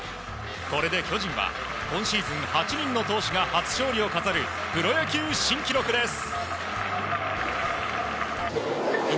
これで巨人は、今シーズン８人の投手が初勝利を飾るプロ野球新記録です。